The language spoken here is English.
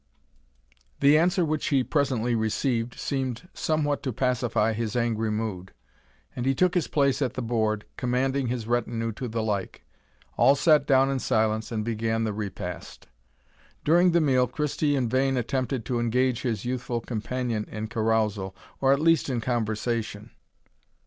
_] The answer which he presently received seemed somewhat to pacify his angry mood, and he took his place at the board, commanding his retinue to the like. All sat down in silence, and began the repast. During the meal Christie in vain attempted to engage his youthful companion in carousal, or, at least, in conversation.